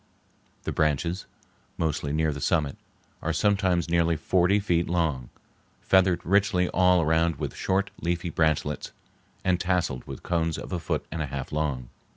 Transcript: The branches, mostly near the summit, are sometimes nearly forty feet long, feathered richly all around with short, leafy branchlets, and tasseled with cones a foot and a half long.